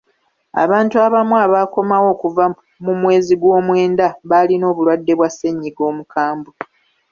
Abantu abamu abaakomawo okuva mu mwezi gw'omwenda baalina obulwadde bwa ssennyiga omukambwe.